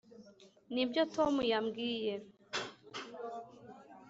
nibyo tom yambwiye.